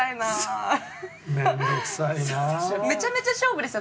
めちゃめちゃ勝負ですよ。